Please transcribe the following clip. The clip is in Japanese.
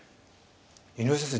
井上先生